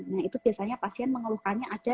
nah itu biasanya pasien mengeluhkannya ada